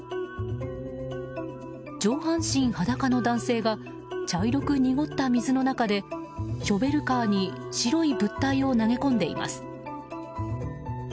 上半身裸の男性が茶色く濁った水の中でショベルカーに白い物体を投げ込んでいます。